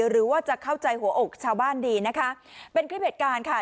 หรือว่าจะเข้าใจหัวอกชาวบ้านดีนะคะเป็นคลิปเหตุการณ์ค่ะ